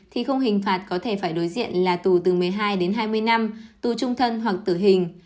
thì không hình phạt có thể phải đối diện là tù từ một mươi hai đến hai mươi năm tù trung thân hoặc tử hình